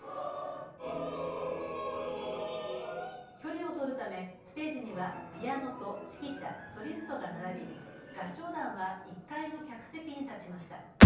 距離を取るためステージにはピアノと指揮者、ソリストが並び合唱団は１階の客席に立ちました。